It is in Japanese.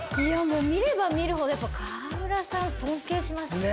見れば見るほど川村さん尊敬します。